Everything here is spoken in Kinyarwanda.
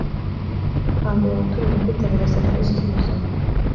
gukangurira abaturage kwitabira serivisi z’ubuzima